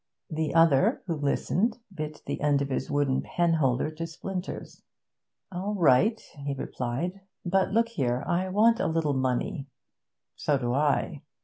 The other, who listened, bit the end of his wooden penholder to splinters. 'All right,' he replied. 'But, look here, I want a little money.' 'So do I.'